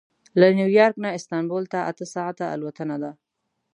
له نیویارک نه استانبول ته اته ساعته الوتنه ده.